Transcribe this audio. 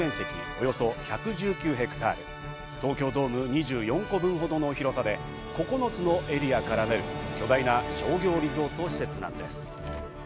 およそ１１９ヘクタール、東京ドーム２４個分ほどの広さで９つのエリアからなる巨大な商業リゾート施設なんです。